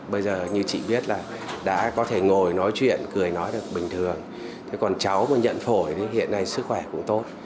bây giờ như chị biết là đã có thể ngồi nói chuyện cười nói được bình thường thế còn cháu mà nhận phổi thì hiện nay sức khỏe cũng tốt